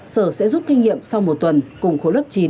sở sẽ rút kinh nghiệm sau một tuần cùng khối lớp chín